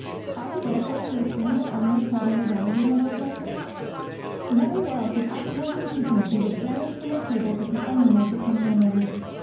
Are we, therefore, to assume that onions have no value in a world like this? What a wealth of appetizing piquancy would vanish from our tables if the onion were to come no more!